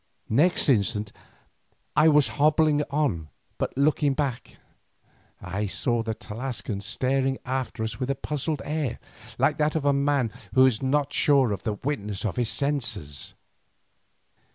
Next instant I was hobbling on, but looking back, I saw the Tlascalan staring after us with a puzzled air, like that of a man who is not sure of the witness of his senses.